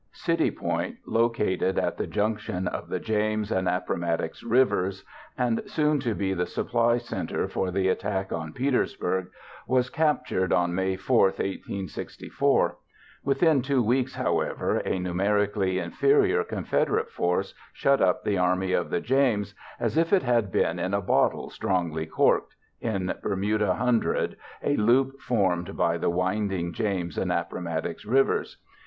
City Point, located at the junction of the James and Appomattox Rivers and soon to be the supply center for the attack on Petersburg, was captured on May 4, 1864. Within 2 weeks, however, a numerically inferior Confederate force shut up the Army of the James, "as if it had been in a bottle strongly corked," in Bermuda Hundred, a loop formed by the winding James and Appomattox Rivers.